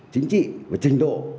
chính trị và trình độ